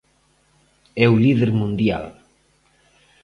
É o líder mundial.